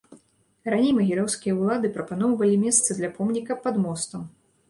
Раней магілёўскія ўлады прапаноўвалі месца для помніка пад мостам.